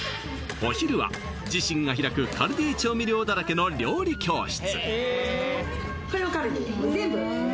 お昼は自身が開くカルディ調味料だらけの料理教室